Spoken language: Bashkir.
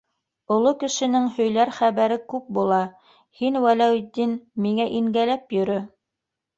Оло кешенең һөйләр хәбәре күп була, һин, Вәләүетдин, миңә ингәләп йөрө.